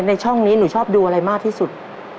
ช่องนี้หนูชอบดูอะไรมากที่สุด